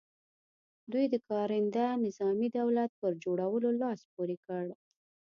دوی د کارنده نظامي دولت پر جوړولو لاس پ ورې کړ.